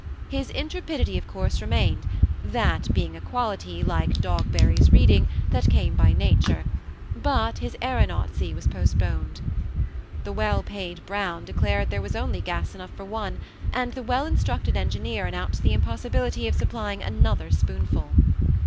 His intrepidity of course remained, — that being a quality, like Dogberry's reading, that came by nature, — but his aeronautcy was postponed. The well ptud Brown declared there was only gas enough for one, Imd the well instructed engineer announced the impossibility of supplying another spoonful.